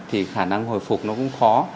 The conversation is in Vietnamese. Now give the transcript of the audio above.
thì khả năng hồi phục nó cũng khó